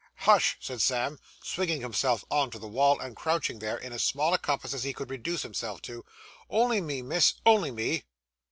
'Hush,' said Sam, swinging himself on to the wall, and crouching there in as small a compass as he could reduce himself to, 'only me, miss, only me.